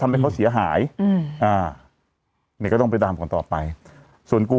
ไม่ค่อยไปอาบอบนวด